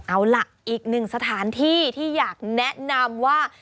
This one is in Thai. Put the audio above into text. เอาล่ะอีกหนึ่งสถานที่ที่อยากแนะนำว่า